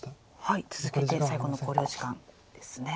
続けて最後の考慮時間ですね。